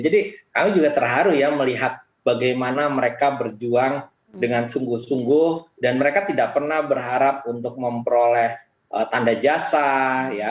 jadi kami juga terharu ya melihat bagaimana mereka berjuang dengan sungguh sungguh dan mereka tidak pernah berharap untuk memperoleh tanda jasa ya